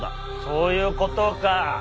そういうことか。